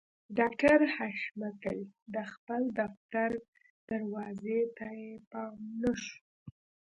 ډاکټر حشمتي د خپل دفتر دروازې ته پام نه شو